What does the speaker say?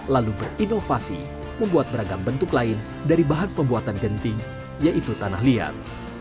lalu berinovasi membuat beragam bentuk lain dari bahan pembuatan genting yaitu tanah liat